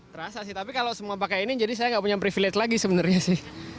terasa sih tapi kalau semua pakai ini jadi saya nggak punya privilege lagi sebenarnya sih